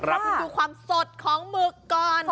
มันคือความสดของหมึกก่อน